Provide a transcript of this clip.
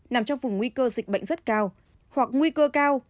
nằm trong vùng nguy cơ dịch bệnh rất cao hoặc nguy cơ cao